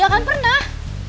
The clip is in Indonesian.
gak akan pernah